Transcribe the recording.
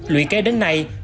luyện kế đến nay